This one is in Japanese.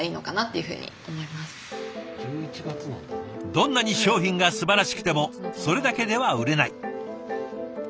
どんなに商品がすばらしくてもそれだけでは売れない。